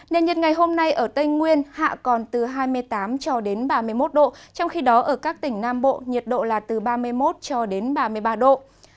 nền nhiệt ngày hôm nay ở tây nguyên hạ còn từ hai mươi tám cho đến ba mươi một độ trong khi đó ở các tỉnh nam bộ nhiệt độ là từ ba mươi một cho đến ba mươi ba độ